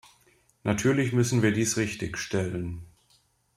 Natürlich müssen wir dies richtigstellen.